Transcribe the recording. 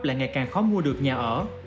lại ngày càng khó mua được nhà ở